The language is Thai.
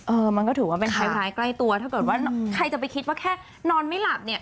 มันก็ถือว่าเป็นคล้ายใกล้ตัวถ้าเกิดว่าใครจะไปคิดว่าแค่นอนไม่หลับเนี่ย